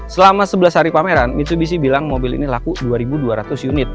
selama sebelas hari pameran mitsubishi bilang mobil ini laku dua dua ratus unit